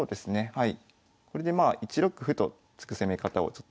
はい。